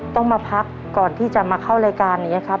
ต้องมาพักก่อนที่จะมาเข้ารายการนี้ครับ